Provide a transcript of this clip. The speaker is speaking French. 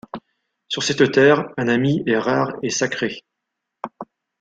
Sur cette terre, un ami est rare et sacré.